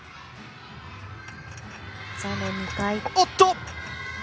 おっと。